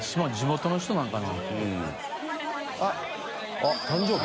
あっ誕生日？